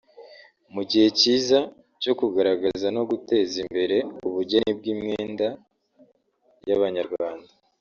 ni igihe cyiza cyo kugaragaza no guteza imbere ubugeni bw’imyenda y’Abanyarwanda